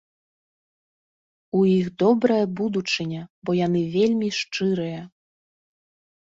У іх добрая будучыня, бо яны вельмі шчырыя.